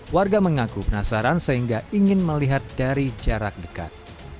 warga mengaku penasaran sehingga ingin melihat dari jarak dekat